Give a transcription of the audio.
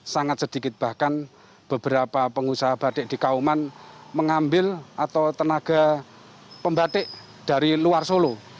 sangat sedikit bahkan beberapa pengusaha batik di kauman mengambil atau tenaga pembatik dari luar solo